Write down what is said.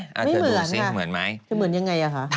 ไม่เหมือนค่ะคือเหมือนยังไงอ่ะคะ